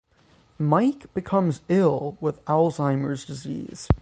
Mike becomes ill with Alzheimer's disease.